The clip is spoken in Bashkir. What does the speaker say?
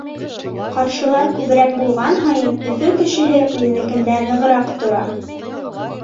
Ҡаршылар күберәк булған һайын, Өфө кешеһе үҙенекендә нығыраҡ тора.